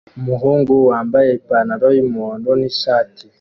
Umuhungu wambaye ipantaro yumuhondo nishati